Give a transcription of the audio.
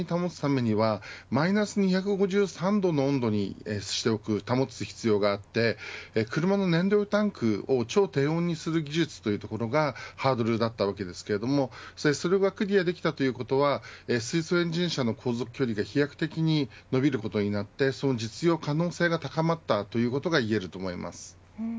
水素を液体の状態に保つためにはマイナス２３５度の温度にしておく、保つ必要があって車の燃料タンクを超低温にする技術というのがハードルだったわけですがそれがクリアできたということは水素エンジン車の航続距離が飛躍的に伸びることになってその実用可能性が高まったといえると思います。